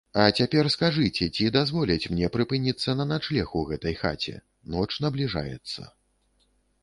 А цяпер скажыце, ці дазволяць мне прыпыніцца на начлег у гэтай хаце, ноч набліжаецца.